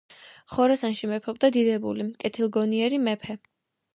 ხორასანში მეფობდა დიდებული, კეთილგონიერი, მეფე.